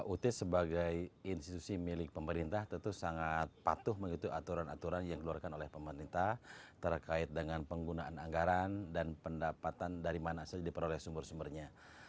ut sebagai institusi milik pemerintah tentu sangat patuh mengikuti aturan aturan yang dikeluarkan oleh pemerintah terkait dengan penggunaan anggaran dan pendapatan dari mana saja diperoleh sumber sumbernya